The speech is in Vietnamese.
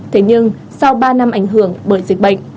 thế nhưng sau ba năm ảnh hưởng bởi dịch bệnh